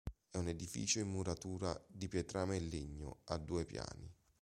È un edificio in muratura di pietrame e legno, a due piani.